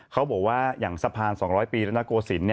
เขาบอกว่าอย่างสะพาน๒๐๐ปีรัฐนโกศิลป